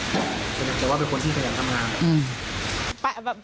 แต่ว่าเป็นคนที่ขยันทำงาน